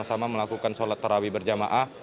kita sama sama melakukan sholat terawih berjamaah